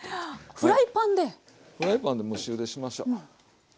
フライパンで蒸しゆでしましょ。